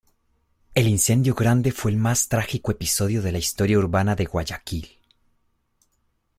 El Incendio Grande fue el más trágico episodio de la historia urbana de Guayaquil.